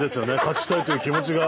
勝ちたいという気持ちが。